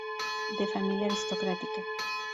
De familia aristocrática.